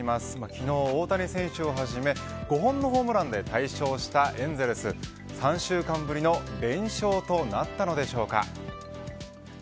昨日、大谷選手をはじめ５本のホームランで大勝したエンゼルス３週間ぶりの連勝となったのでしょうか。